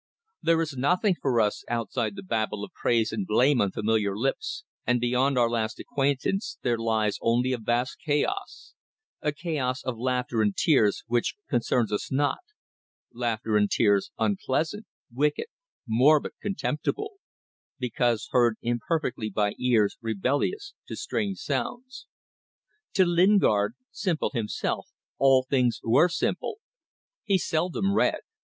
There is nothing for us outside the babble of praise and blame on familiar lips, and beyond our last acquaintance there lies only a vast chaos; a chaos of laughter and tears which concerns us not; laughter and tears unpleasant, wicked, morbid, contemptible because heard imperfectly by ears rebellious to strange sounds. To Lingard simple himself all things were simple. He seldom read.